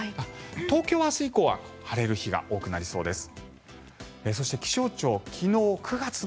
東京は明日以降は晴れる日が多くなりそうです。